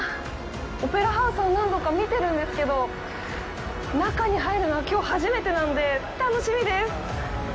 オペラハウスは何度か見てるんですけど、中に入るのはきょう初めてなので、楽しみです！